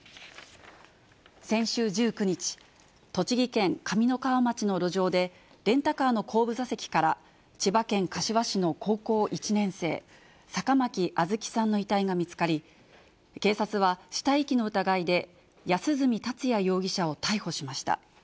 先週１９日、栃木県上三川町の路上で、レンタカーの後部座席から、千葉県柏市の高校１年生、坂巻杏月さんの遺体が見つかり、警察は死体遺棄の疑いで、安栖達也容疑者を逮捕しました。